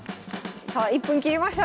さあ１分切りました。